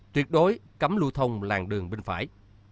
tuyệt đối cấm lưu thông làng đường bên phải